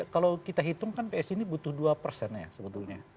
kalau kita hitung kan psi ini butuh dua persen ya sebetulnya